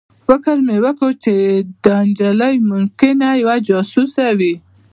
فکر مې وکړ چې دا نجلۍ ممکنه یوه جاسوسه وي